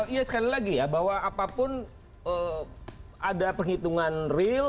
ya sekali lagi ya bahwa apapun ada penghitungan real